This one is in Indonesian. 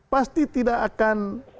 pasti tidak akan